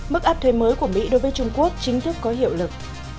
mức áp thuê mới của mỹ đối với trung quốc chính thức có hiệu lực